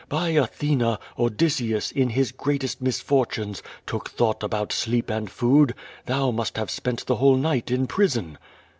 By Athene, Odysseus, in his greatest misfortunes, took thought about sleep and food. Thou must have spent the whole night in prison."